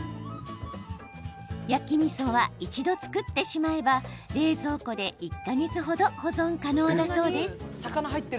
焼きみそは一度作ってしまえば冷蔵庫で１か月程保存可能だそうです。